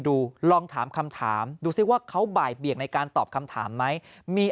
ลองถามคำถามดูซิว่าเขาบ่ายเบียงในการตอบคำถามไหมมี